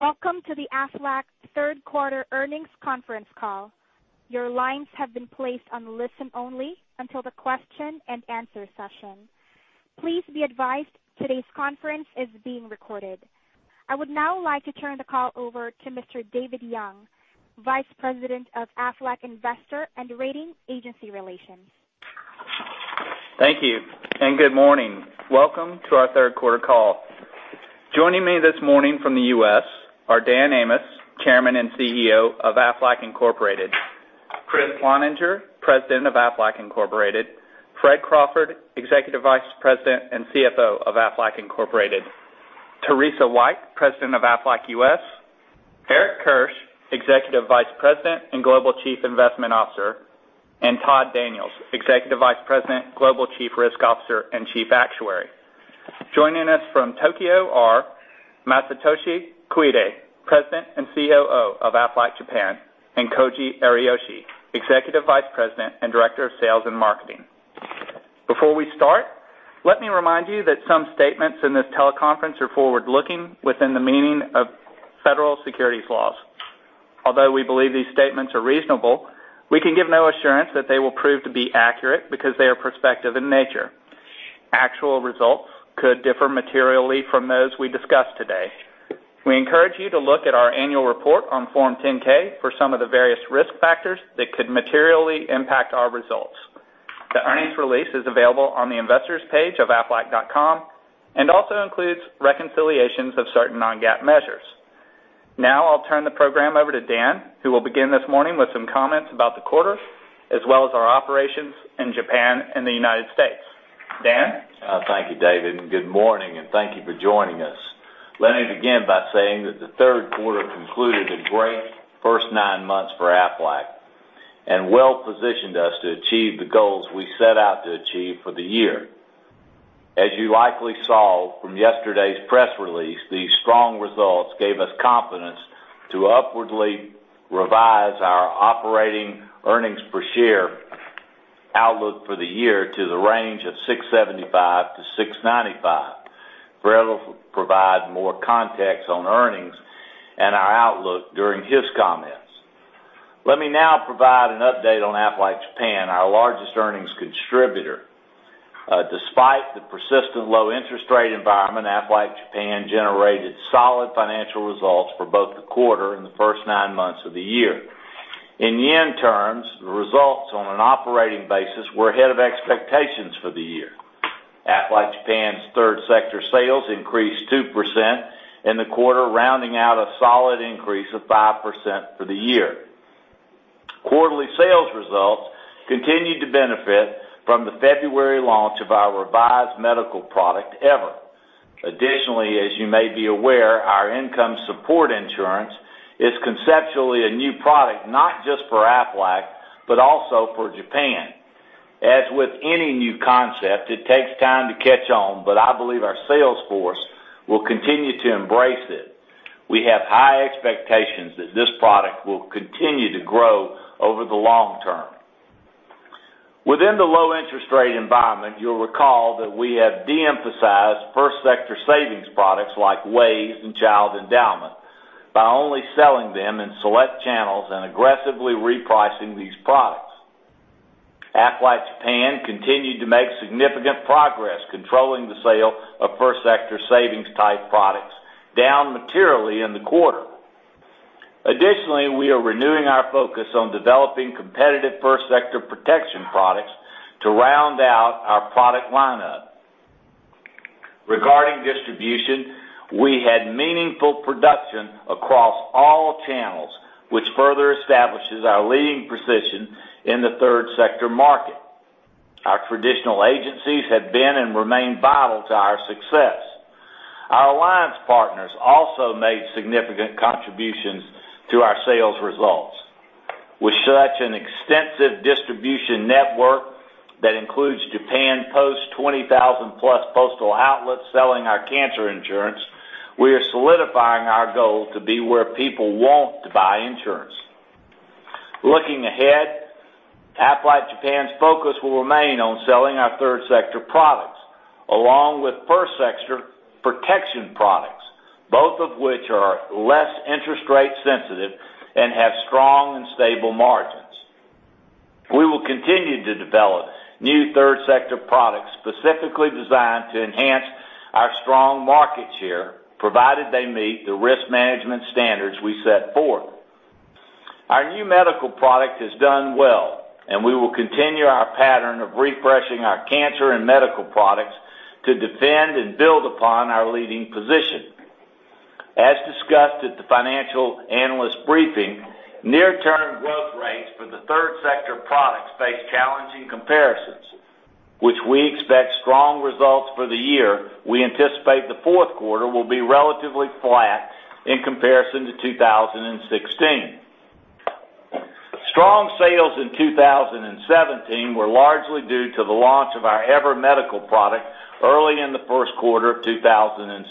Welcome to the Aflac third quarter earnings conference call. Your lines have been placed on listen only until the question and answer session. Please be advised, today's conference is being recorded. I would now like to turn the call over to Mr. David Young, Vice President of Aflac Investor and Rating Agency Relations. Thank you, good morning. Welcome to our third quarter call. Joining me this morning from the U.S. are Dan Amos, Chairman and CEO of Aflac Incorporated. Kriss Cloninger, President of Aflac Incorporated. Fred Crawford, Executive Vice President and CFO of Aflac Incorporated. Teresa White, President of Aflac U.S. Eric Kirsch, Executive Vice President and Global Chief Investment Officer, and Todd Daniels, Executive Vice President, Global Chief Risk Officer and Chief Actuary. Joining us from Tokyo are Masatoshi Koide, President and COO of Aflac Japan, and Koji Ariyoshi, Executive Vice President and Director of Sales and Marketing. Let me remind you that some statements in this teleconference are forward-looking within the meaning of federal securities laws. We believe these statements are reasonable, we can give no assurance that they will prove to be accurate because they are prospective in nature. Actual results could differ materially from those we discuss today. We encourage you to look at our annual report on Form 10-K for some of the various risk factors that could materially impact our results. The earnings release is available on the investors page of aflac.com and also includes reconciliations of certain non-GAAP measures. I'll turn the program over to Dan, who will begin this morning with some comments about the quarter, as well as our operations in Japan and the United States. Dan? Thank you, David, good morning, and thank you for joining us. Let me begin by saying that the third quarter concluded a great first nine months for Aflac and well-positioned us to achieve the goals we set out to achieve for the year. As you likely saw from yesterday's press release, these strong results gave us confidence to upwardly revise our operating earnings per share outlook for the year to the range of $6.75-$6.95. Fred will provide more context on earnings and our outlook during his comments. Let me now provide an update on Aflac Japan, our largest earnings contributor. Despite the persistent low interest rate environment, Aflac Japan generated solid financial results for both the quarter and the first nine months of the year. In JPY terms, the results on an operating basis were ahead of expectations for the year. Aflac Japan's third sector sales increased 2% in the quarter, rounding out a solid increase of 5% for the year. Quarterly sales results continued to benefit from the February launch of our revised medical product, EVER. Additionally, as you may be aware, our income support insurance is conceptually a new product, not just for Aflac, but also for Japan. As with any new concept, it takes time to catch on, but I believe our sales force will continue to embrace it. We have high expectations that this product will continue to grow over the long term. Within the low interest rate environment, you'll recall that we have de-emphasized first sector savings products like WAYS and Child Endowment by only selling them in select channels and aggressively repricing these products. Aflac Japan continued to make significant progress controlling the sale of first sector savings-type products down materially in the quarter. We are renewing our focus on developing competitive first sector protection products to round out our product lineup. Regarding distribution, we had meaningful production across all channels, which further establishes our leading position in the third sector market. Our traditional agencies have been and remain vital to our success. Our alliance partners also made significant contributions to our sales results. With such an extensive distribution network that includes Japan Post 20,000-plus postal outlets selling our cancer insurance, we are solidifying our goal to be where people want to buy insurance. Looking ahead, Aflac Japan's focus will remain on selling our third sector products, along with first sector protection products, both of which are less interest rate sensitive and have strong and stable margins. We will continue to develop new third sector products specifically designed to enhance our strong market share, provided they meet the risk management standards we set forth. Our new medical product has done well, and we will continue our pattern of refreshing our cancer and medical products to defend and build upon our leading position. As discussed at the Financial Analyst Briefing, near-term growth rates for the third sector products face challenging comparisons, which we expect strong results for the year. We anticipate the fourth quarter will be relatively flat in comparison to 2016. Strong sales in 2017 were largely due to the launch of our EVER medical product early in the first quarter of 2017.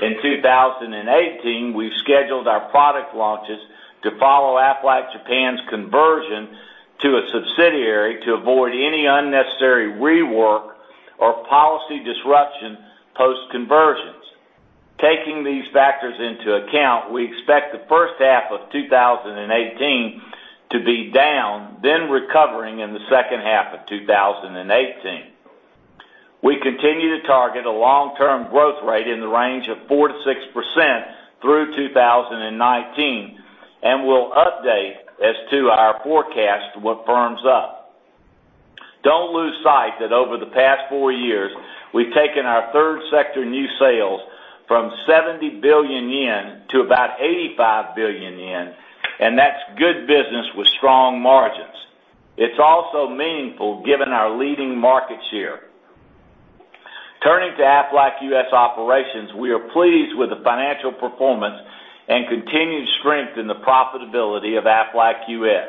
In 2018, we've scheduled our product launches to follow Aflac Japan's conversion to a subsidiary to avoid any unnecessary rework or policy disruption post conversions. Taking these factors into account, we expect the first half of 2018 to be down, then recovering in the second half of 2018. We continue to target a long-term growth rate in the range of 4%-6% through 2019, and will update as to our forecast what firms up. Don't lose sight that over the past four years, we've taken our third sector new sales from 70 billion yen to about 85 billion yen, and that's good business with strong margins. It's also meaningful given our leading market share. Turning to Aflac US operations, we are pleased with the financial performance and continued strength in the profitability of Aflac US.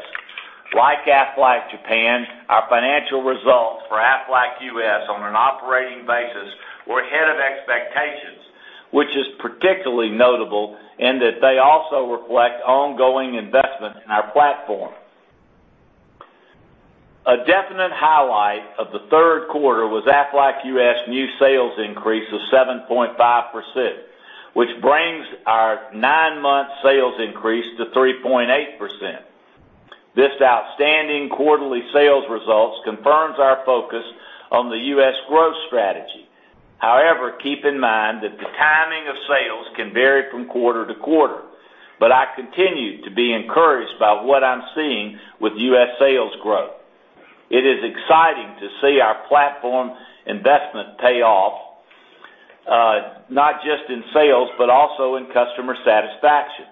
Like Aflac Japan, our financial results for Aflac US on an operating basis were ahead of expectations, which is particularly notable in that they also reflect ongoing investment in our platform. A definite highlight of the third quarter was Aflac US new sales increase of 7.5%, which brings our nine-month sales increase to 3.8%. This outstanding quarterly sales results confirms our focus on the U.S. growth strategy. However, keep in mind that the timing of sales can vary from quarter to quarter. I continue to be encouraged by what I'm seeing with U.S. sales growth. It is exciting to see our platform investment pay off, not just in sales, but also in customer satisfaction.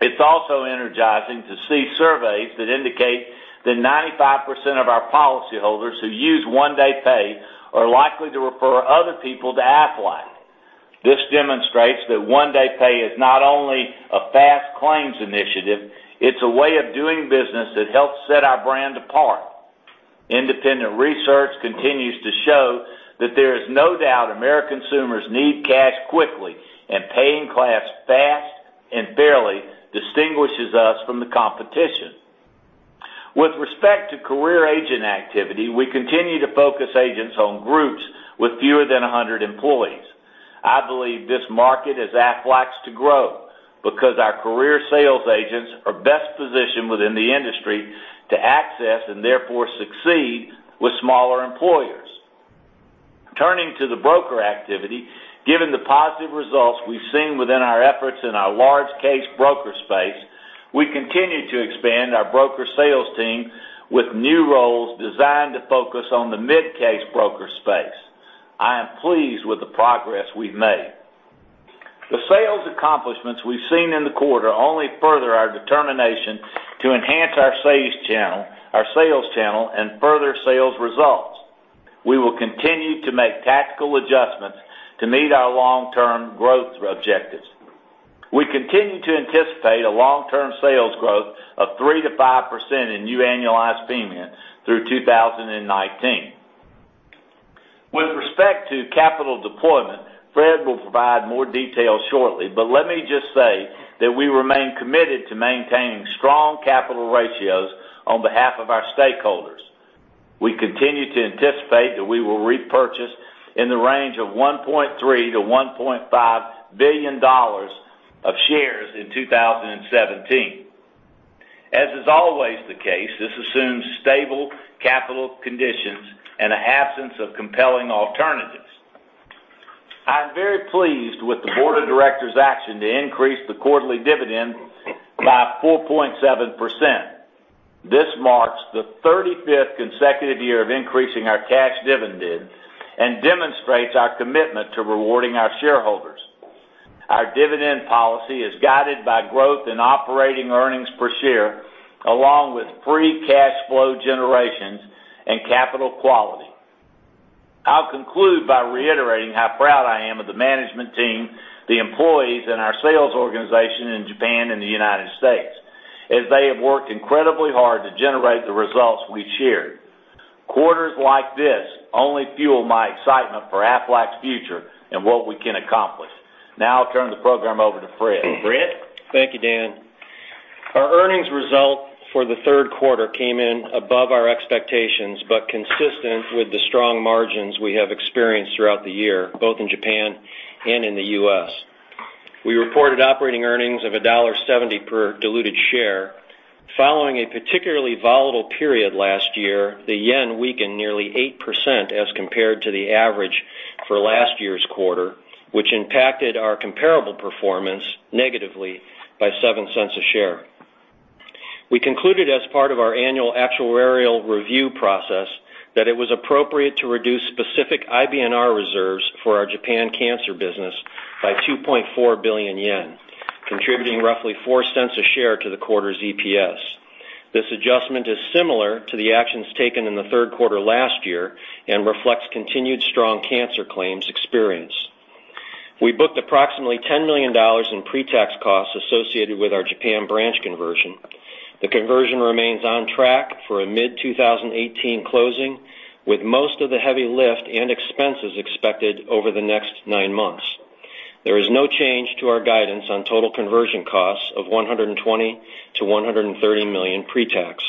It's also energizing to see surveys that indicate that 95% of our policyholders who use One Day Pay are likely to refer other people to Aflac. This demonstrates that One Day Pay is not only a fast claims initiative, it's a way of doing business that helps set our brand apart. Independent research continues to show that there is no doubt American consumers need cash quickly, paying clients fast and fairly distinguishes us from the competition. With respect to career agent activity, we continue to focus agents on groups with fewer than 100 employees. I believe this market is Aflac's to grow because our career sales agents are best positioned within the industry to access, and therefore succeed, with smaller employers. Turning to the broker activity. Given the positive results we've seen within our efforts in our large case broker space, we continue to expand our broker sales team with new roles designed to focus on the mid-case broker space. I am pleased with the progress we've made. The sales accomplishments we've seen in the quarter only further our determination to enhance our sales channel and further sales results. We will continue to make tactical adjustments to meet our long-term growth objectives. We continue to anticipate a long-term sales growth of 3%-5% in new annualized premium through 2019. With respect to capital deployment, Fred will provide more details shortly, let me just say that we remain committed to maintaining strong capital ratios on behalf of our stakeholders. We continue to anticipate that we will repurchase in the range of $1.3 billion-$1.5 billion of shares in 2017. As is always the case, this assumes stable capital conditions and an absence of compelling alternatives. I'm very pleased with the board of directors' action to increase the quarterly dividend by 4.7%. This marks the 35th consecutive year of increasing our cash dividend and demonstrates our commitment to rewarding our shareholders. Our dividend policy is guided by growth in operating earnings per share, along with free cash flow generations and capital quality. I'll conclude by reiterating how proud I am of the management team, the employees, and our sales organization in Japan and the United States, as they have worked incredibly hard to generate the results we've shared. Quarters like this only fuel my excitement for Aflac's future and what we can accomplish. Now I'll turn the program over to Fred. Fred? Thank you, Dan. Our earnings result for the third quarter came in above our expectations, but consistent with the strong margins we have experienced throughout the year, both in Japan and in the U.S. We reported operating earnings of $1.70 per diluted share. Following a particularly volatile period last year, the yen weakened nearly 8% as compared to the average for last year's quarter, which impacted our comparable performance negatively by $0.07 a share. We concluded as part of our annual actuarial review process that it was appropriate to reduce specific IBNR reserves for our Japan cancer business by 2.4 billion yen, contributing roughly $0.04 a share to the quarter's EPS. This adjustment is similar to the actions taken in the third quarter last year and reflects continued strong cancer claims experience. We booked approximately $10 million in pre-tax costs associated with our Japan branch conversion. The conversion remains on track for a mid-2018 closing, with most of the heavy lift and expenses expected over the next nine months. There is no change to our guidance on total conversion costs of $120 million-$130 million pre-tax.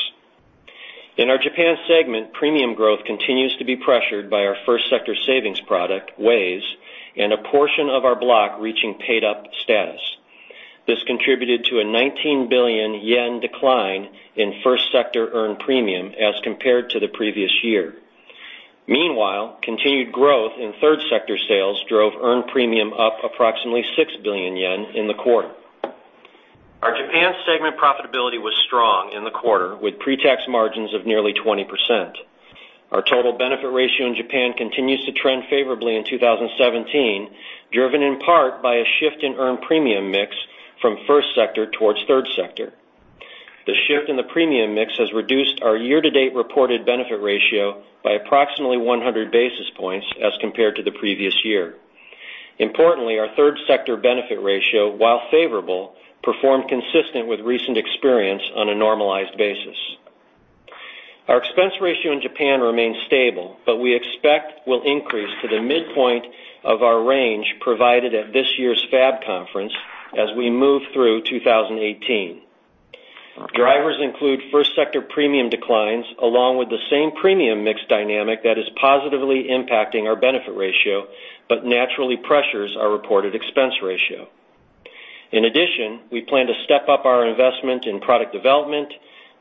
In our Japan segment, premium growth continues to be pressured by our first sector savings product, WAYS, and a portion of our block reaching paid-up status. This contributed to a 19 billion yen decline in first sector earned premium as compared to the previous year. Meanwhile, continued growth in third sector sales drove earned premium up approximately 6 billion yen in the quarter. Our Japan segment profitability was strong in the quarter, with pre-tax margins of nearly 20%. Our total benefit ratio in Japan continues to trend favorably in 2017, driven in part by a shift in earned premium mix from first sector towards third sector. The shift in the premium mix has reduced our year-to-date reported benefit ratio by approximately 100 basis points as compared to the previous year. Importantly, our third sector benefit ratio, while favorable, performed consistent with recent experience on a normalized basis. Our expense ratio in Japan remains stable, but we expect will increase to the midpoint of our range provided at this year's FAB conference as we move through 2018. Drivers include first sector premium declines, along with the same premium mix dynamic that is positively impacting our benefit ratio, but naturally pressures our reported expense ratio. In addition, we plan to step up our investment in product development,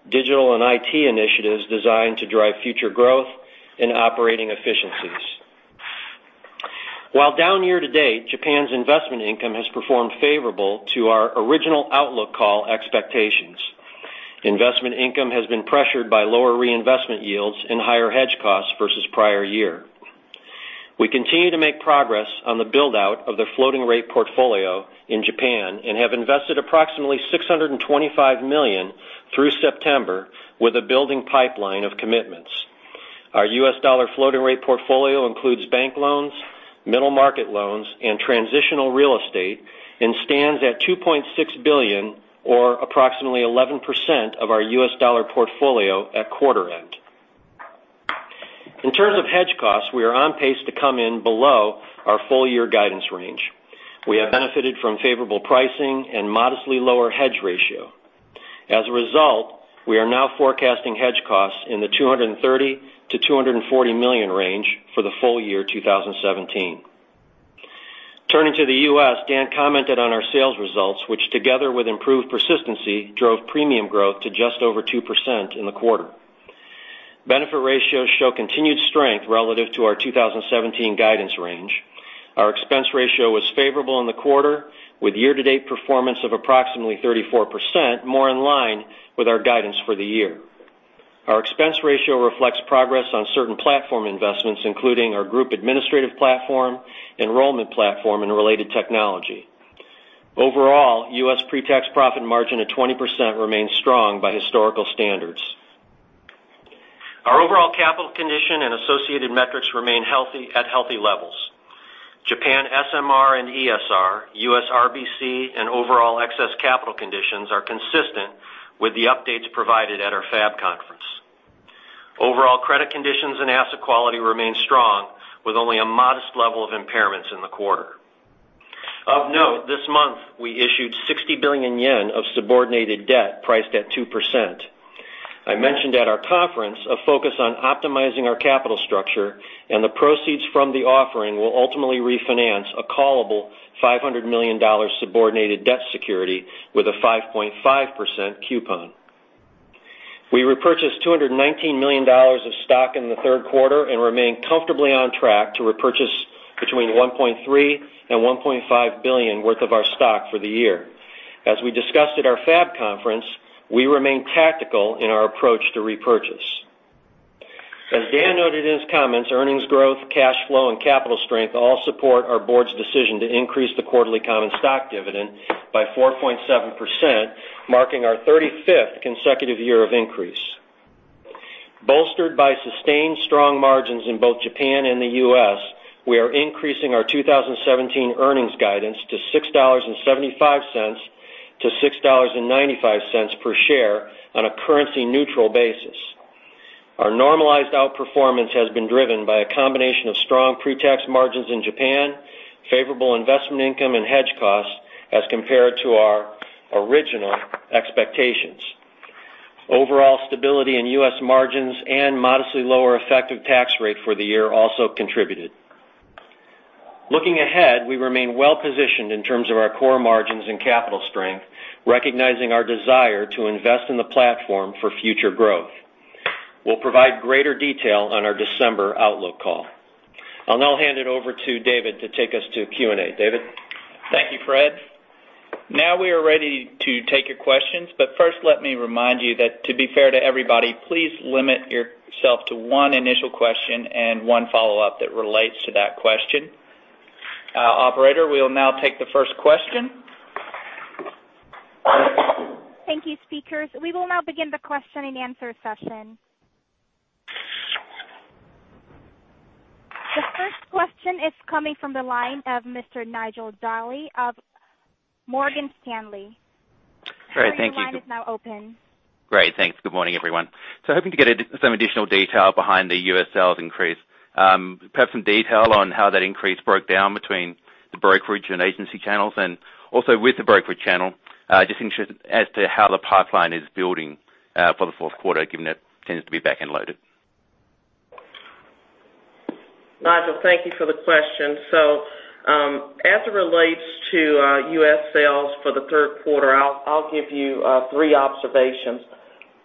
digital and IT initiatives designed to drive future growth, and operating efficiencies. While down year to date, Japan's investment income has performed favorably to our original outlook call expectations. Investment income has been pressured by lower reinvestment yields and higher hedge costs versus prior year. We continue to make progress on the build-out of the floating rate portfolio in Japan and have invested approximately $625 million through September with a building pipeline of commitments. Our U.S. dollar floating rate portfolio includes bank loans, middle market loans, and transitional real estate, and stands at $2.6 billion, or approximately 11% of our U.S. dollar portfolio at quarter end. In terms of hedge costs, we are on pace to come in below our full year guidance range. We have benefited from favorable pricing and modestly lower hedge ratio. We are now forecasting hedge costs in the $230 million-$240 million range for the full year 2017. Turning to the U.S., Dan commented on our sales results, which together with improved persistency, drove premium growth to just over 2% in the quarter. Benefit ratios show continued strength relative to our 2017 guidance range. Our expense ratio was favorable in the quarter, with year-to-date performance of approximately 34%, more in line with our guidance for the year. Our expense ratio reflects progress on certain platform investments, including our group administrative platform, enrollment platform, and related technology. Overall, U.S. pre-tax profit margin of 20% remains strong by historical standards. Our overall capital condition and associated metrics remain at healthy levels. Japan SMR and ESR, U.S. RBC, and overall excess capital conditions are consistent with the updates provided at our FAB conference. Overall credit conditions and asset quality remain strong, with only a modest level of impairments in the quarter. Of note, this month, we issued 60 billion yen of subordinated debt priced at 2%. I mentioned at our conference a focus on optimizing our capital structure, and the proceeds from the offering will ultimately refinance a callable $500 million subordinated debt security with a 5.5% coupon. We repurchased $219 million of stock in the third quarter and remain comfortably on track to repurchase between $1.3 billion and $1.5 billion worth of our stock for the year. As we discussed at our FAB conference, we remain tactical in our approach to repurchase. As Dan noted in his comments, earnings growth, cash flow, and capital strength all support our board's decision to increase the quarterly common stock dividend by 4.7%, marking our 35th consecutive year of increase. Bolstered by sustained strong margins in both Japan and the U.S., we are increasing our 2017 earnings guidance to $6.75 to $6.95 per share on a currency-neutral basis. Our normalized outperformance has been driven by a combination of strong pre-tax margins in Japan, favorable investment income, and hedge costs as compared to our original expectations. Overall stability in U.S. margins and modestly lower effective tax rate for the year also contributed. Looking ahead, we remain well-positioned in terms of our core margins and capital strength, recognizing our desire to invest in the platform for future growth. We'll provide greater detail on our December outlook call. I'll now hand it over to David to take us to Q&A. David? Thank you, Fred. First, let me remind you that to be fair to everybody, please limit yourself to one initial question and one follow-up that relates to that question. Operator, we will now take the first question. Thank you, speakers. We will now begin the question and answer session. The first question is coming from the line of Nigel Dally of Morgan Stanley. Great, thank you. Your line is now open. Great, thanks. Good morning, everyone. Hoping to get some additional detail behind the U.S. sales increase. Perhaps some detail on how that increase broke down between the brokerage and agency channels, and also with the brokerage channel, just interested as to how the pipeline is building for the fourth quarter, given it tends to be back-end loaded. Nigel, thank you for the question. As it relates to U.S. sales for the third quarter, I'll give you three observations.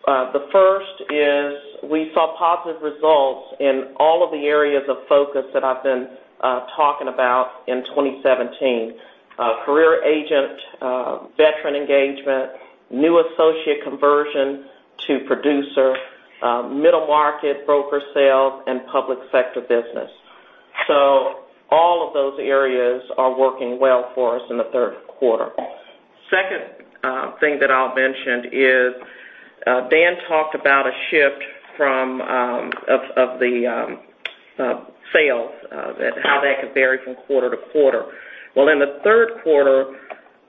The first is we saw positive results in all of the areas of focus that I've been talking about in 2017. Career agent, veteran engagement, new associate conversion to producer, middle market broker sales, and public sector business. All of those areas are working well for us in the third quarter. Second thing that I'll mention is, Dan talked about a shift of the sales, how that could vary from quarter to quarter. Well, in the third quarter,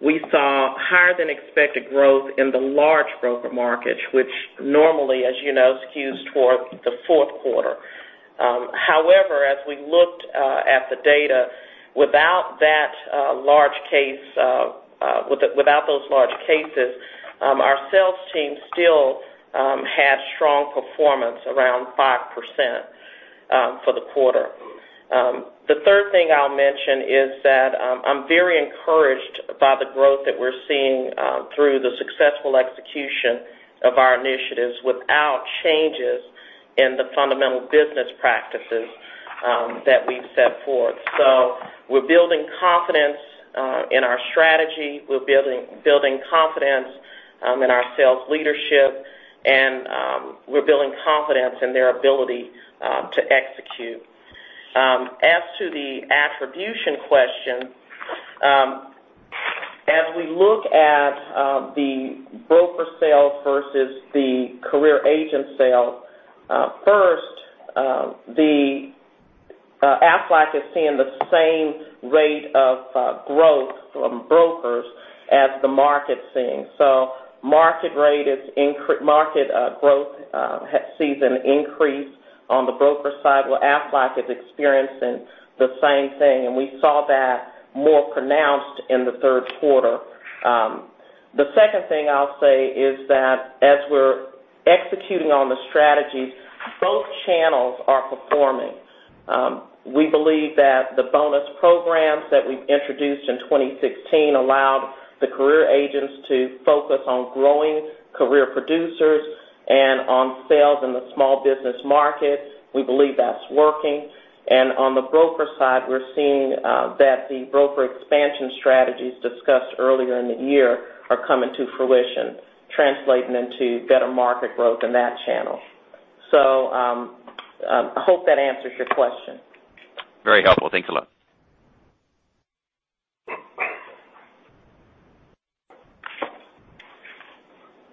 we saw higher than expected growth in the large broker markets, which normally, as you know, skews toward the fourth quarter. However, as we looked at the data, without those large cases, our sales team still had strong performance, around 5% for the quarter. The third thing I'll mention is that I'm very encouraged by the growth that we're seeing through the successful execution of our initiatives without changes in the fundamental business practices that we've set forth. We're building confidence in our strategy, we're building confidence in our sales leadership, and we're building confidence in their ability to execute. As to the attribution question, as we look at the broker sale versus the career agent sale, first, Aflac is seeing the same rate of growth from brokers as the market's seeing. Market growth sees an increase on the broker side. Well, Aflac is experiencing the same thing, and we saw that more pronounced in the third quarter. The second thing I'll say is that as we're executing on the strategies, both channels are performing. We believe that the bonus programs that we've introduced in 2016 allowed the career agents to focus on growing career producers and on sales in the small business market. We believe that's working. On the broker side, we're seeing that the broker expansion strategies discussed earlier in the year are coming to fruition, translating into better market growth in that channel. I hope that answers your question. Very helpful. Thanks a lot.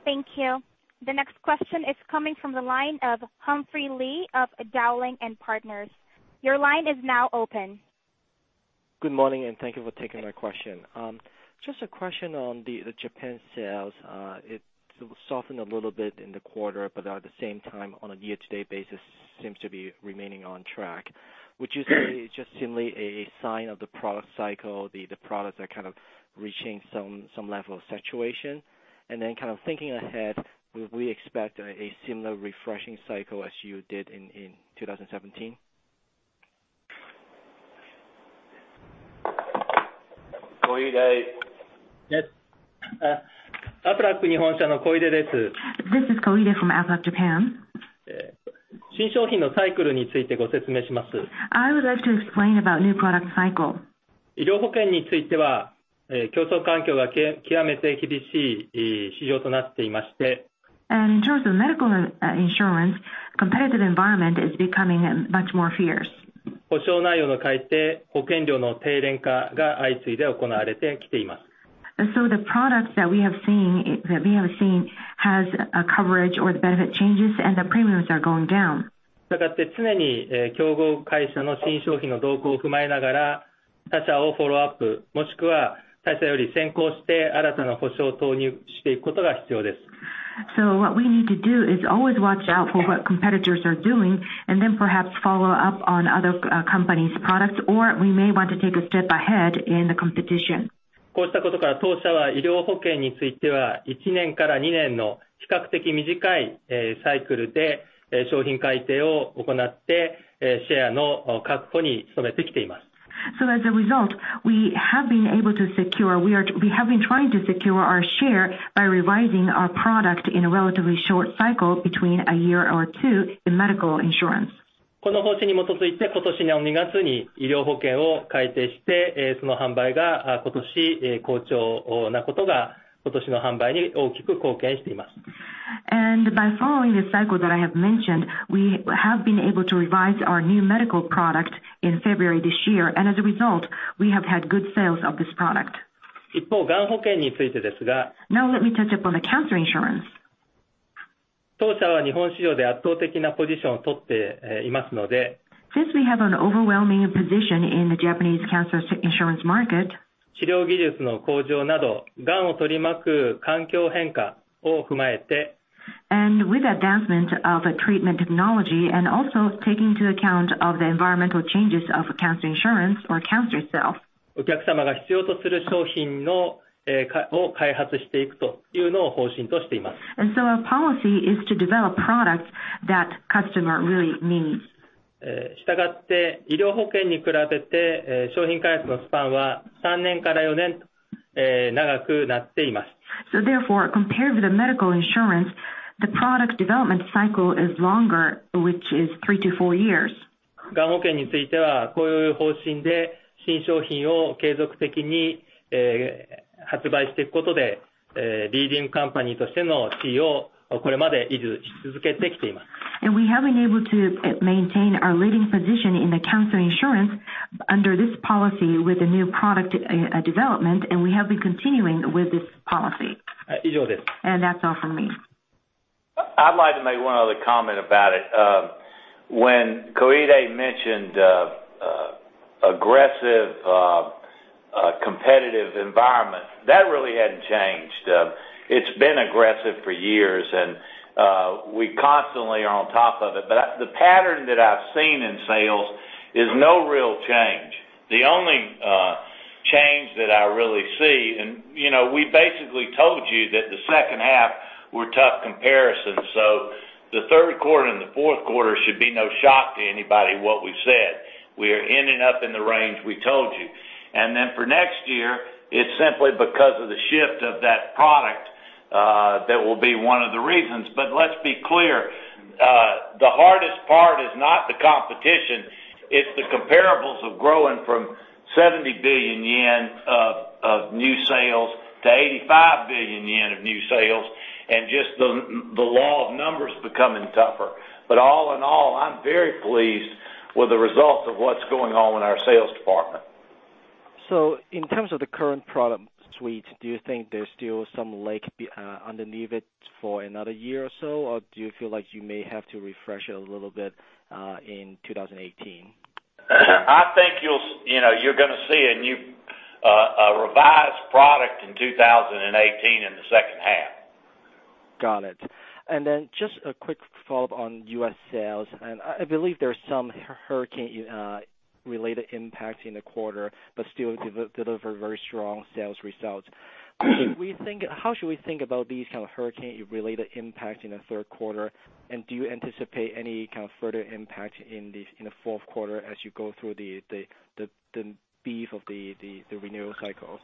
Thank you. The next question is coming from the line of Humphrey Lee of Dowling & Partners. Your line is now open. Good morning, thank you for taking my question. A question on the Japan sales. It softened a little bit in the quarter, but at the same time, on a year-to-date basis, seems to be remaining on track. Would you say it's simply a sign of the product cycle, the products are kind of reaching some level of saturation? Kind of thinking ahead, would we expect a similar refreshing cycle as you did in 2017? Koide. Yes. This is Koide from Aflac Japan. I would like to explain about new product cycle. In terms of medical insurance, competitive environment is becoming much more fierce. The products that we have seen has a coverage or the benefit changes, It's been aggressive for years, and we constantly are on top of it. The pattern that I've seen in sales is no real change. The only change that I really see, and we basically told you that the second half were tough comparisons. The third quarter and the fourth quarter should be no shock to anybody what we said. We are ending up in the range we told you. Then for next year, it's simply because of the shift of that product that will be one of the reasons. Let's be clear, the hardest part is not the competition, it's the comparables of growing from 70 billion yen of new sales to 85 billion yen of new sales, and just the law of numbers becoming tougher. All in all, I'm very pleased with the results of what's going on in our sales department. In terms of the current product suite, do you think there's still some leg underneath it for another year or so? Do you feel like you may have to refresh it a little bit, in 2018? I think you're going to see a revised product in 2018 in the second half. Got it. Just a quick follow-up on U.S. sales. I believe there's some hurricane-related impacts in the quarter, still deliver very strong sales results. How should we think about these kind of hurricane-related impact in the third quarter? Do you anticipate any kind of further impact in the fourth quarter as you go through the beef of the renewal cycle?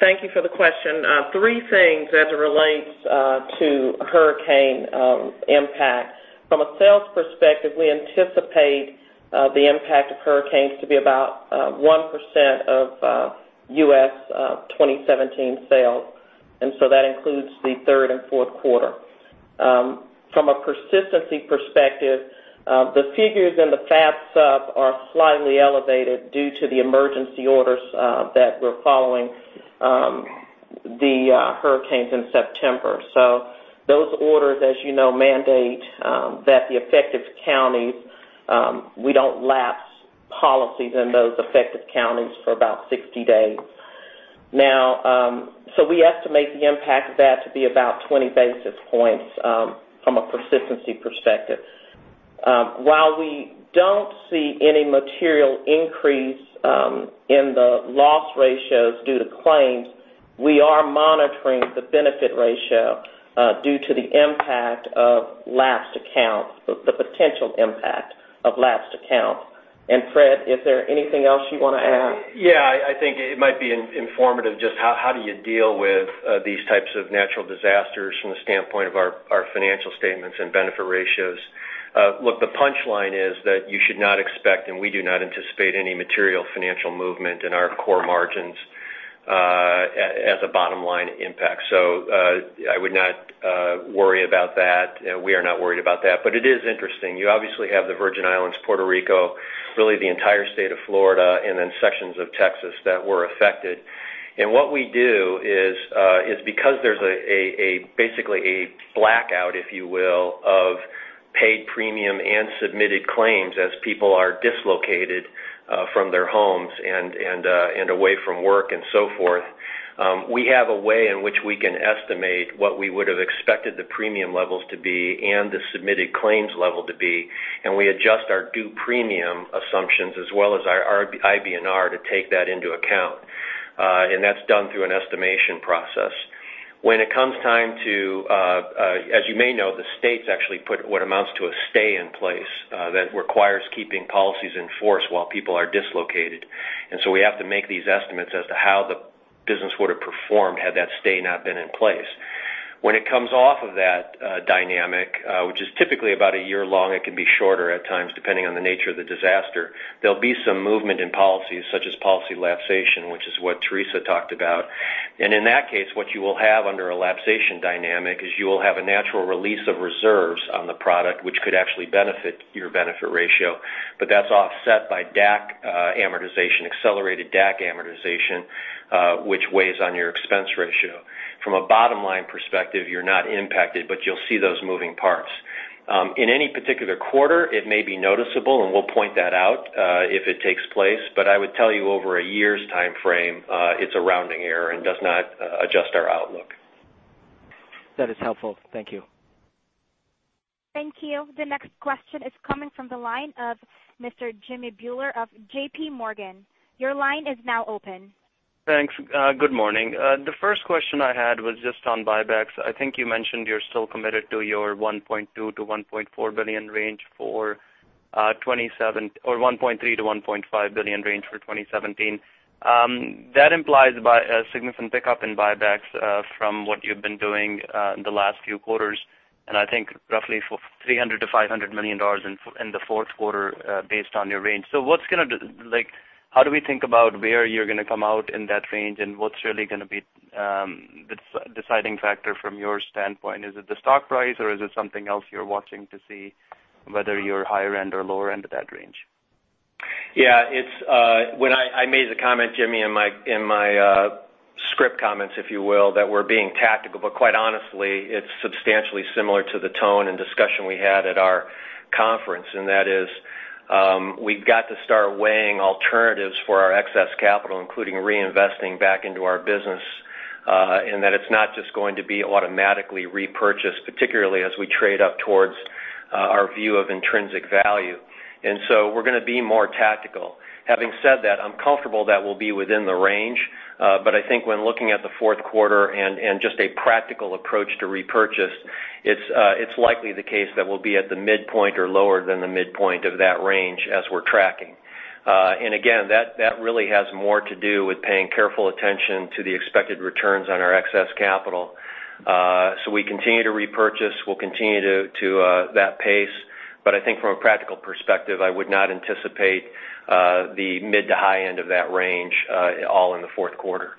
Thank you for the question. Three things as it relates to hurricane impact. From a sales perspective, we anticipate the impact of hurricanes to be about 1% of U.S. 2017 sales, that includes the third and fourth quarter. From a persistency perspective, the figures in the FAB supplement are slightly elevated due to the emergency orders that were following the hurricanes in September. Those orders, as you know, mandate that the affected counties, we don't lapse policies in those affected counties for about 60 days. We estimate the impact of that to be about 20 basis points from a persistency perspective. While we don't see any material increase in the loss ratios due to claims, we are monitoring the benefit ratio, due to the impact of lapsed accounts, the potential impact of lapsed accounts. Fred, is there anything else you want to add? I think it might be informative just how do you deal with these types of natural disasters from the standpoint of our financial statements and benefit ratios. The punchline is that you should not expect, we do not anticipate any material financial movement in our core margins as a bottom-line impact. I would not worry about that. We are not worried about that. It is interesting. You obviously have the Virgin Islands, Puerto Rico, really the entire state of Florida, sections of Texas that were affected. What we do is, because there's basically a blackout, if you will, of paid premium and submitted claims as people are dislocated from their homes and away from work and so forth, we have a way in which we can estimate what we would have expected the premium levels to be and the submitted claims level to be, we adjust our due premium assumptions as well as our IBNR to take that into account. That's done through an estimation process. As you may know, the states actually put what amounts to a stay in place that requires keeping policies in force while people are dislocated. We have to make these estimates as to how the business would have performed had that stay not been in place. When it comes off of that dynamic, which is typically about a year long, it can be shorter at times, depending on the nature of the disaster, there'll be some movement in policies such as policy lapsation, which is what Teresa talked about. In that case, what you will have under a lapsation dynamic is you will have a natural release of reserves on the product, which could actually benefit your benefit ratio. That's offset by accelerated DAC amortization, which weighs on your expense ratio. From a bottom-line perspective, you're not impacted, but you'll see those moving parts. In any particular quarter, it may be noticeable, and we'll point that out if it takes place. I would tell you over a year's time frame, it's a rounding error and does not adjust our outlook. That is helpful. Thank you. Thank you. The next question is coming from the line of Mr. Jimmy Bhullar of J.P. Morgan. Your line is now open. Thanks. Good morning. The first question I had was just on buybacks. I think you mentioned you're still committed to your $1.2 billion-$1.4 billion range or $1.3 billion-$1.5 billion range for 2017. That implies a significant pickup in buybacks from what you've been doing in the last few quarters, and I think roughly for $300 million-$500 million in the fourth quarter based on your range. How do we think about where you're going to come out in that range and what's really going to be the deciding factor from your standpoint? Is it the stock price or is it something else you're watching to see whether you're higher end or lower end of that range? Yeah. I made the comment, Jimmy, in my script comments, if you will, that we're being tactical, but quite honestly, it's substantially similar to the tone and discussion we had at our conference, and that is, we've got to start weighing alternatives for our excess capital, including reinvesting back into our business, in that it's not just going to be automatically repurchased, particularly as we trade up towards our view of intrinsic value. We're going to be more tactical. Having said that, I'm comfortable that we'll be within the range. I think when looking at the fourth quarter and just a practical approach to repurchase, it's likely the case that we'll be at the midpoint or lower than the midpoint of that range as we're tracking. Again, that really has more to do with paying careful attention to the expected returns on our excess capital. We continue to repurchase, we'll continue to that pace, I think from a practical perspective, I would not anticipate the mid to high end of that range all in the fourth quarter.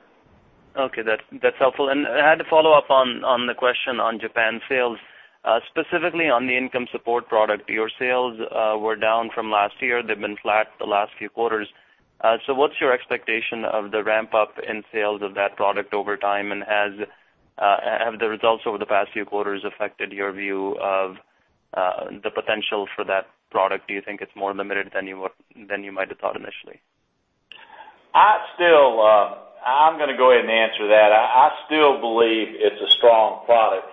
Okay. That's helpful. I had to follow up on the question on Japan sales, specifically on the income support product. Your sales were down from last year. They've been flat the last few quarters. What's your expectation of the ramp-up in sales of that product over time, and have the results over the past few quarters affected your view of the potential for that product? Do you think it's more limited than you might have thought initially? I'm going to go ahead and answer that. I still believe it's a strong product.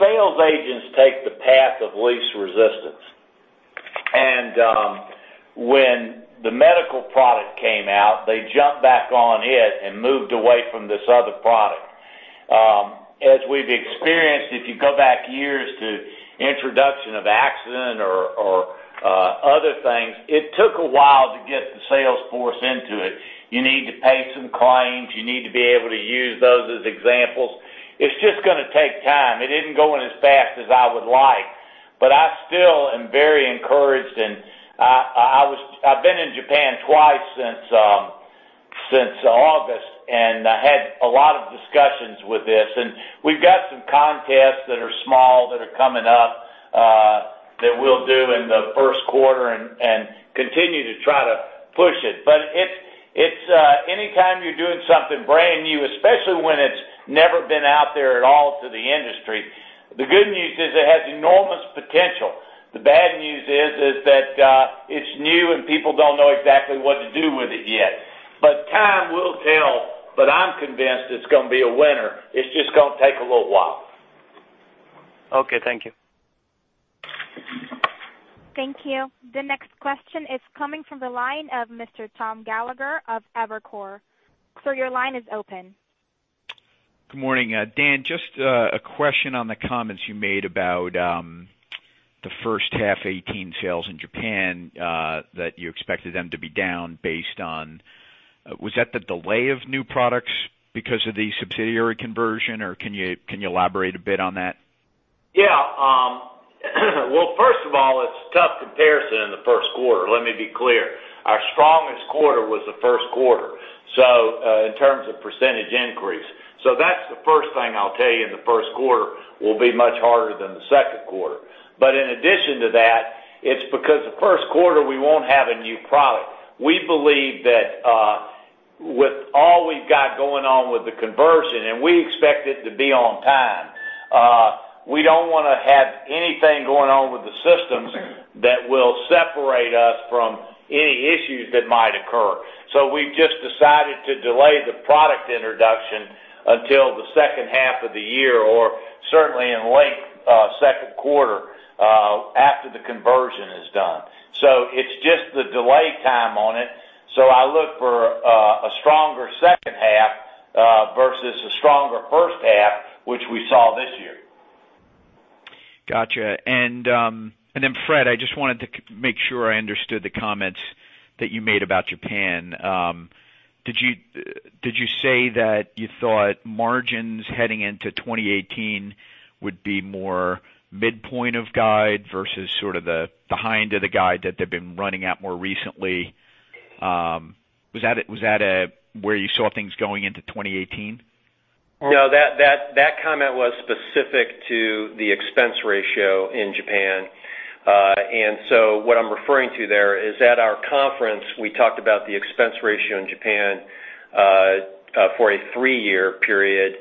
Sales agents take the path of least resistance. When the medical product came out, they jumped back on it and moved away from this other product. As we've experienced, if you go back years to introduction of accident or other things, it took a while to get the sales force into it. You need to pay some claims. You need to be able to use those as examples. It's just going to take time. It isn't going as fast as I would like, but I still am very encouraged, and I've been in Japan twice since August, and I had a lot of discussions with this. We've got some contests that are small that are coming up that we'll do in the first quarter and continue to try to push it. Anytime you're doing something brand new, especially when it's never been out there at all to the industry, the good news is it has enormous potential. The bad news is that it's new and people don't know exactly what to do with it yet. Time will tell, but I'm convinced it's going to be a winner. It's just going to take a little while. Okay. Thank you. Thank you. The next question is coming from the line of Mr. Tom Gallagher of Evercore. Sir, your line is open. Good morning. Dan, just a question on the comments you made about the first half 2018 sales in Japan, that you expected them to be down based on, was that the delay of new products because of the subsidiary conversion, or can you elaborate a bit on that? Yeah. Well, first of all, it's a tough comparison in the first quarter. Let me be clear. Our strongest quarter was the first quarter in terms of percentage increase. That's the first thing I'll tell you in the first quarter will be much harder than the second quarter. In addition to that, it's because the first quarter, we won't have a new product. We believe that with all we've got going on with the conversion, and we expect it to be on time, we don't want to have anything going on with the systems that will separate us from any issues that might occur. We've just decided to delay the product introduction until the second half of the year, or certainly in late second quarter, after the conversion is done. It's just the delay time on it. I look for a stronger second half versus a stronger first half, which we saw this year. Got you. Then Fred, I just wanted to make sure I understood the comments that you made about Japan. Did you say that you thought margins heading into 2018 would be more midpoint of guide versus sort of the behind of the guide that they've been running at more recently? Was that where you saw things going into 2018? No, that comment was specific to the expense ratio in Japan. What I'm referring to there is at our conference, we talked about the expense ratio in Japan for a three-year period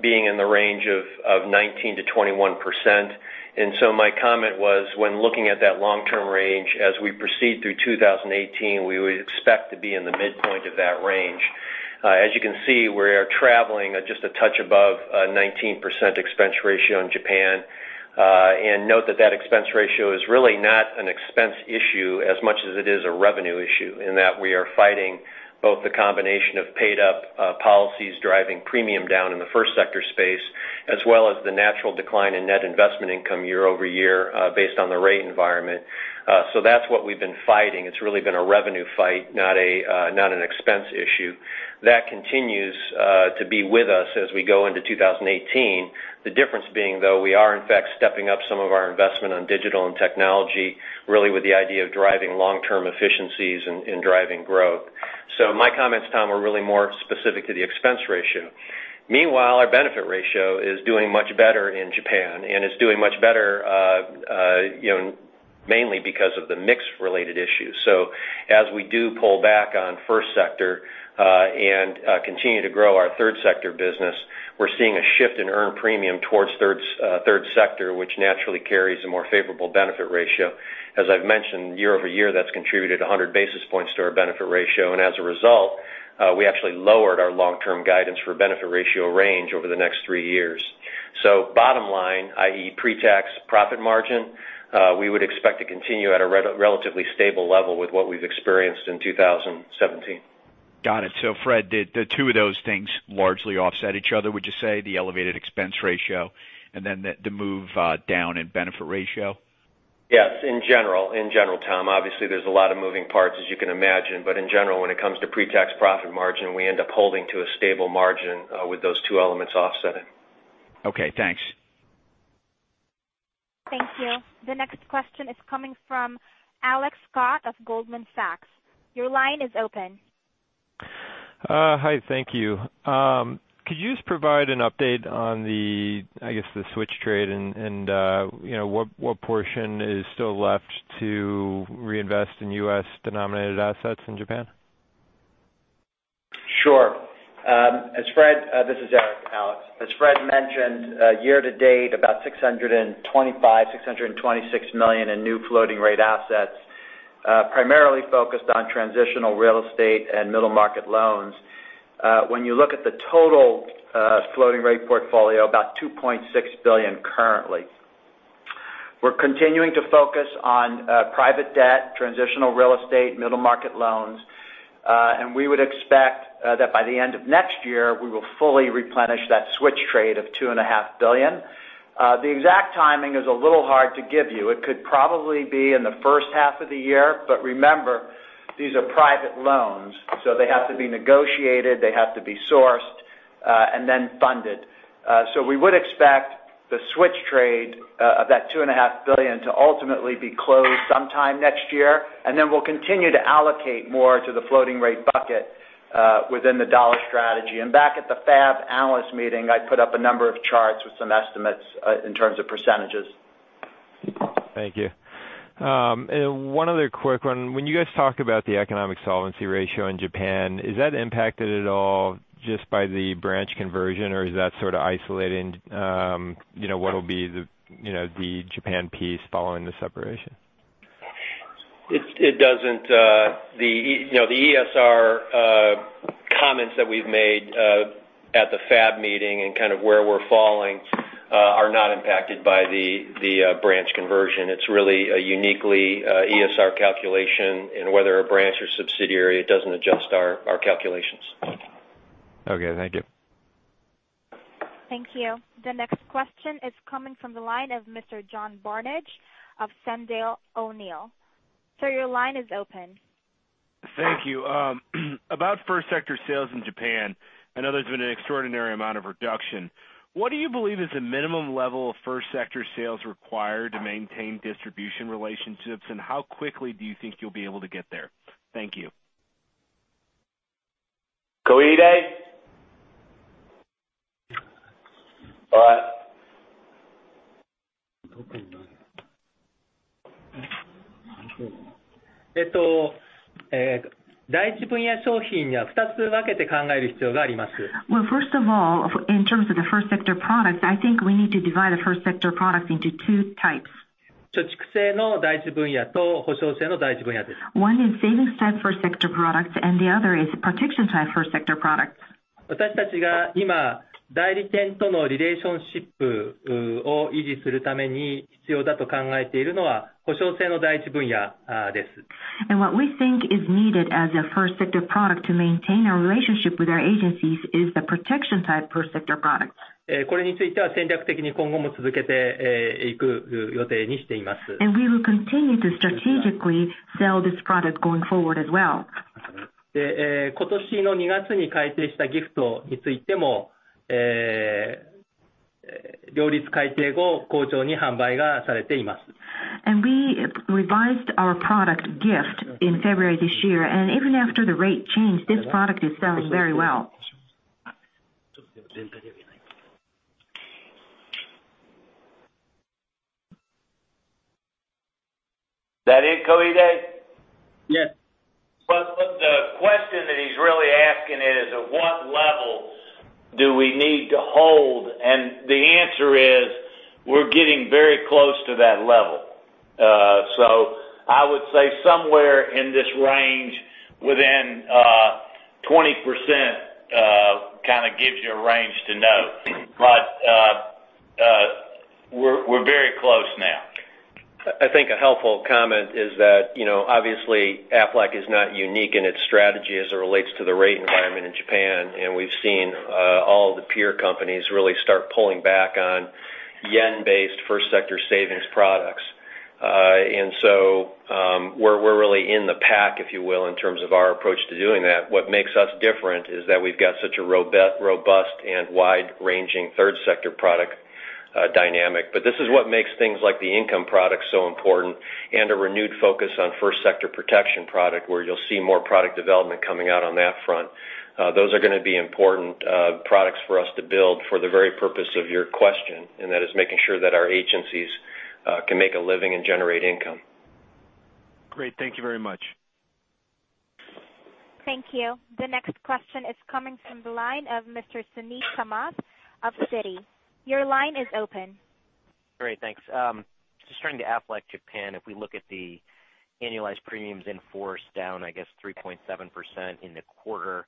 being in the range of 19%-21%. My comment was, when looking at that long-term range as we proceed through 2018, we would expect to be in the midpoint of that range. As you can see, we are traveling just a touch above a 19% expense ratio in Japan. Note that that expense ratio is really not an expense issue as much as it is a revenue issue, in that we are fighting both the combination of paid-up policies driving premium down in the first sector space, as well as the natural decline in net investment income year-over-year based on the rate environment. That's what we've been fighting. It's really been a revenue fight, not an expense issue. That continues to be with us as we go into 2018. The difference being, though, we are in fact stepping up some of our investment on digital and technology, really with the idea of driving long-term efficiencies and driving growth. My comments, Tom, were really more specific to the expense ratio. Meanwhile, our benefit ratio is doing much better in Japan and is doing much better mainly because of the mix-related issues. As we do pull back on first sector and continue to grow our third sector business, we're seeing a shift in earned premium towards third sector, which naturally carries a more favorable benefit ratio. As I've mentioned, year-over-year, that's contributed 100 basis points to our benefit ratio. As a result, we actually lowered our long-term guidance for benefit ratio range over the next three years. Bottom line, i.e. pre-tax profit margin, we would expect to continue at a relatively stable level with what we've experienced in 2017. Got it. Fred, did two of those things largely offset each other, would you say? The elevated expense ratio and then the move down in benefit ratio? Yes. In general, Tom. Obviously, there's a lot of moving parts, as you can imagine. In general, when it comes to pre-tax profit margin, we end up holding to a stable margin with those two elements offsetting. Okay, thanks. Thank you. The next question is coming from Alex Scott of Goldman Sachs. Your line is open. Hi, thank you. Could you just provide an update on the, I guess, the switch trade and what portion is still left to reinvest in U.S.-denominated assets in Japan? Sure. This is Eric, Alex. As Fred mentioned, year to date about $625, $626 million in new floating rate assets primarily focused on transitional real estate and middle market loans. When you look at the total floating rate portfolio, about $2.6 billion currently. We're continuing to focus on private debt, transitional real estate, middle market loans. We would expect that by the end of next year, we will fully replenish that switch trade of $2.5 billion. The exact timing is a little hard to give you. It could probably be in the first half of the year, remember, these are private loans, so they have to be negotiated, they have to be sourced, and then funded. We would expect the switch trade of that $2.5 billion to ultimately be closed sometime next year, and then we'll continue to allocate more to the floating rate bucket within the dollar strategy. Back at the FAB analyst meeting, I put up a number of charts with some estimates in terms of percentages. Thank you. One other quick one. When you guys talk about the economic solvency ratio in Japan, is that impacted at all just by the branch conversion, or is that sort of isolating what will be the Japan piece following the separation? It doesn't. The ESR comments that we've made at the FAB meeting and kind of where we're falling are not impacted by the branch conversion. It's really a uniquely ESR calculation, and whether a branch or subsidiary, it doesn't adjust our calculations. Okay, thank you. Thank you. The next question is coming from the line of Mr. John Barnidge of Sandler O'Neill. Sir, your line is open. Thank you. About first sector sales in Japan, I know there's been an extraordinary amount of reduction. What do you believe is a minimum level of first sector sales required to maintain distribution relationships, and how quickly do you think you'll be able to get there? Thank you. Koide. All right. Well, first of all, in terms of the first sector product, I think we need to divide the first sector product into 2 types. One is savings type first sector products and the other is protection type first sector products. What we think is needed as a first sector product to maintain our relationship with our agencies is the protection type first sector products. We will continue to strategically sell this product going forward as well. We revised our product GIFT in February this year, and even after the rate change, this product is selling very well. That it, Koide? Yes. The question that he's really asking is, at what level do we need to hold? The answer is, we're getting very close to that level. I would say somewhere in this range within 20% kind of gives you a range to know. We're very close now. I think a helpful comment is that obviously Aflac is not unique in its strategy as it relates to the rate environment in Japan, we've seen all the peer companies really start pulling back on yen-based first sector savings products. We're really in the pack, if you will, in terms of our approach to doing that. What makes us different is that we've got such a robust and wide-ranging third sector product dynamic. This is what makes things like the income product so important and a renewed focus on first sector protection product, where you'll see more product development coming out on that front. Those are going to be important products for us to build for the very purpose of your question, and that is making sure that our agencies can make a living and generate income. Great. Thank you very much. Thank you. The next question is coming from the line of Mr. Suneet Kamath of Citi. Your line is open. Great, thanks. Just turning to Aflac Japan, if we look at the annualized premiums in force down, I guess, 3.7% in the quarter.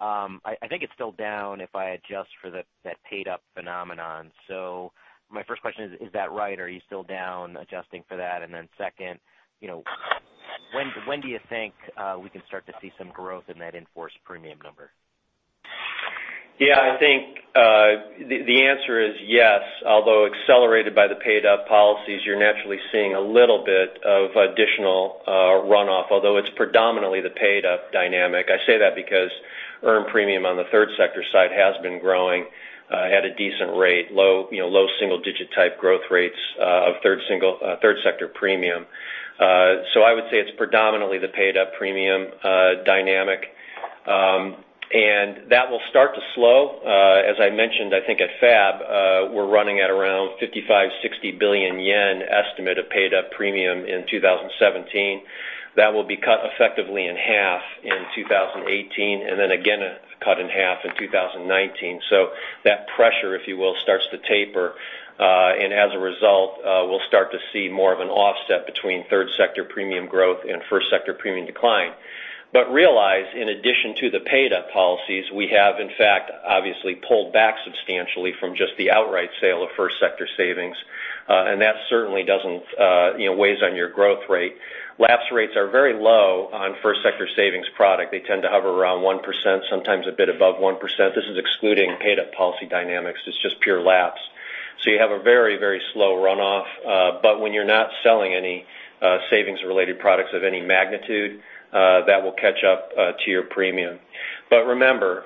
I think it's still down if I adjust for that paid-up phenomenon. My first question is that right? Are you still down adjusting for that? Second, when do you think we can start to see some growth in that in-force premium number? I think the answer is yes. Although accelerated by the paid-up policies, you're naturally seeing a little bit of additional runoff, although it's predominantly the paid-up dynamic. I say that because earned premium on the third sector side has been growing at a decent rate, low single-digit type growth rates of third sector premium. I would say it's predominantly the paid-up premium dynamic. That will start to slow. As I mentioned, I think at FAB, we're running at around 55 billion-60 billion yen estimate of paid-up premium in 2017. That will be cut effectively in half in 2018 and again cut in half in 2019. That pressure, if you will, starts to taper. As a result, we'll start to see more of an offset between third sector premium growth and first sector premium decline. Realize, in addition to the paid-up policies, we have in fact obviously pulled back substantially from just the outright sale of first sector savings, and that certainly doesn't weigh on your growth rate. Lapse rates are very low on first sector savings product. They tend to hover around 1%, sometimes a bit above 1%. This is excluding paid-up policy dynamics. It's just pure lapse. You have a very slow runoff. When you're not selling any savings related products of any magnitude, that will catch up to your premium. Remember,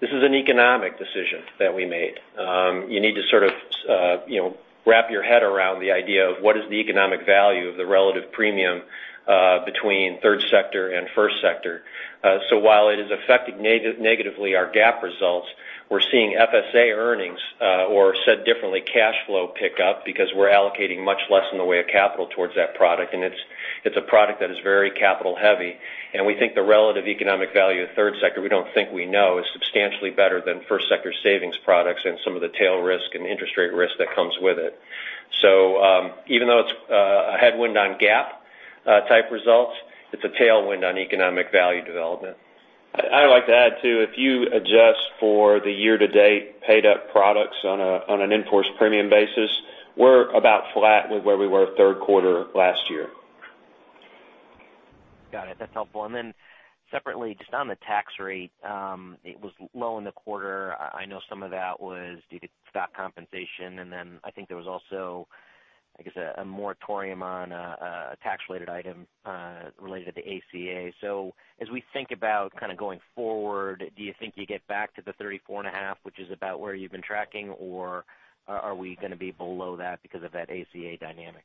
this is an economic decision that we made. You need to sort of wrap your head around the idea of what is the economic value of the relative premium between third sector and first sector. While it is affecting negatively our GAAP results, we're seeing FSA earnings or said differently cash flow pick up because we're allocating much less in the way of capital towards that product, and it's a product that is very capital heavy, and we think the relative economic value of third sector we don't think we know is substantially better than first sector savings products and some of the tail risk and interest rate risk that comes with it. Even though it's a headwind on GAAP type results, it's a tailwind on economic value development. I'd like to add too, if you adjust for the year-to-date paid-up products on an in-force premium basis, we're about flat with where we were third quarter last year. Got it. That's helpful. Separately, just on the tax rate, it was low in the quarter. I know some of that was due to stock compensation, I think there was also, I guess, a moratorium on a tax related item related to ACA. As we think about kind of going forward, do you think you get back to the 34.5%, which is about where you've been tracking, or are we going to be below that because of that ACA dynamic?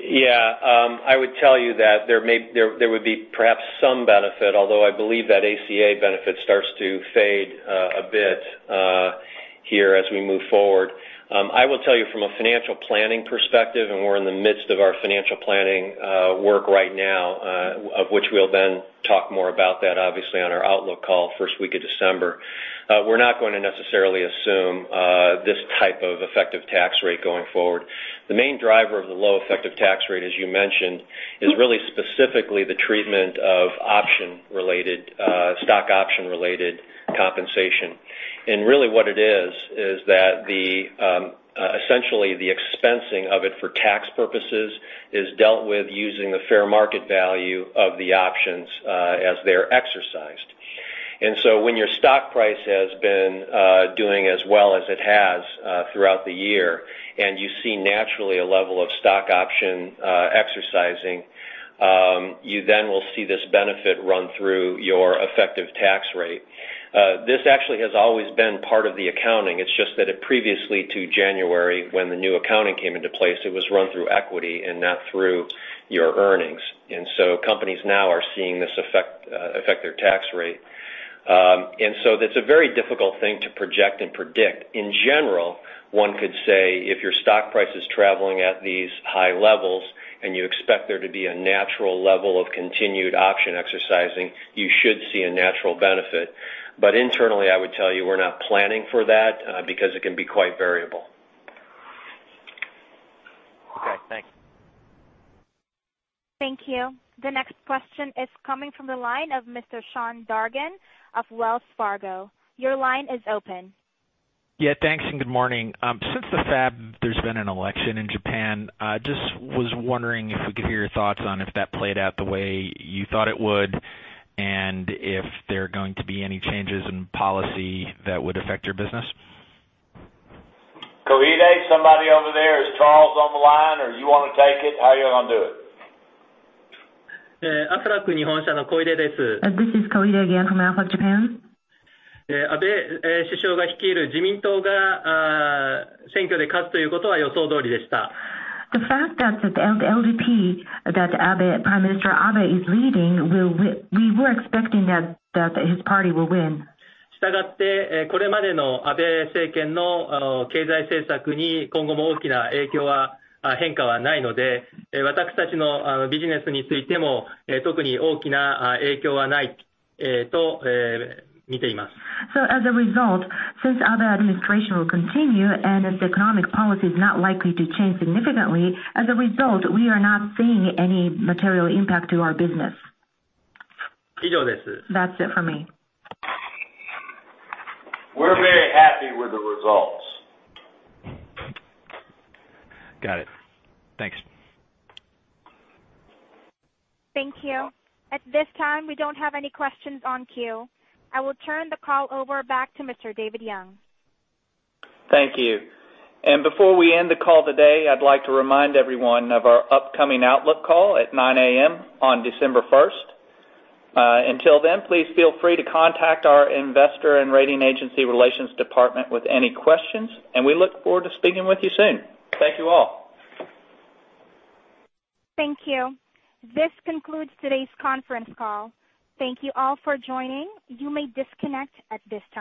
Yeah. I would tell you that there would be perhaps some benefit, although I believe that ACA benefit starts to fade a bit here as we move forward. I will tell you from a financial planning perspective, we're in the midst of our financial planning work right now of which we'll then talk more about that obviously on our outlook call first week of December. We're not going to necessarily assume this type of effective tax rate going forward. The main driver of the low effective tax rate, as you mentioned, is really specifically the treatment of stock option related compensation. Really what it is that essentially the expensing of it for tax purposes is dealt with using the fair market value of the options as they're exercised. When your stock price has been doing as well as it has throughout the year and you see naturally a level of stock option exercising, you then will see this benefit run through your effective tax rate. This actually has always been part of the accounting. It's just that it previously to January when the new accounting came into place, it was run through equity and not through your earnings. Companies now are seeing this affect their tax rate. That's a very difficult thing to project and predict. In general, one could say if your stock price is traveling at these high levels and you expect there to be a natural level of continued option exercising, you should see a natural benefit. Internally, I would tell you we're not planning for that because it can be quite variable. Okay, thanks. Thank you. The next question is coming from the line of Mr. Sean Dargan of Wells Fargo. Your line is open. Thanks, good morning. Since the FAB, there's been an election in Japan. Was wondering if we could hear your thoughts on if that played out the way you thought it would and if there are going to be any changes in policy that would affect your business. Koide, somebody over there. Is Charles on the line, or you want to take it? How are you going to do it? This is Koide again from Aflac Japan. The fact that the LDP that Prime Minister Abe is leading, we were expecting that his party will win. As a result, since Abe administration will continue and as the economic policy is not likely to change significantly, as a result, we are not seeing any material impact to our business. That's it for me. We're very happy with the results. Got it. Thanks. Thank you. At this time, we don't have any questions in queue. I will turn the call over back to Mr. David Young. Thank you. Before we end the call today, I'd like to remind everyone of our upcoming outlook call at 9:00 A.M. on December first. Until then, please feel free to contact our Investor and Rating Agency Relations department with any questions, we look forward to speaking with you soon. Thank you all. Thank you. This concludes today's conference call. Thank you all for joining. You may disconnect at this time.